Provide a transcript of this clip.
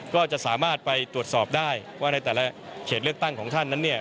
ก็จะสามารถไปตรวจสอบได้ว่าในแต่ละเขตเลือกตั้งของท่านนั้นเนี่ย